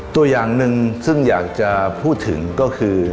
ตัวอย่างหนึ่งซึ่งอยากจะพูดถึงก็คือ